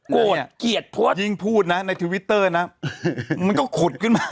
เกลียดโพสต์ยิ่งพูดนะในทวิตเตอร์นะมันก็ขุดขึ้นมา